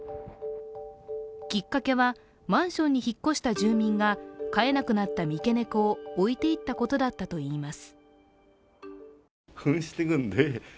きっかけは、マンションに引っ越した住民が飼えなくなった三毛猫を置いていったことだったといいます。